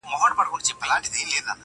اوپر هر میدان کامیابه پر دښمن سې.!